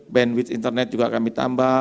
bandwidh internet juga kami tambah